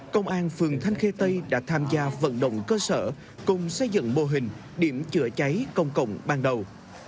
công an phường thanh khê tây đã tham gia vận động cơ sở cùng xây dựng mô hình điểm chữa cháy công cộng ban đầu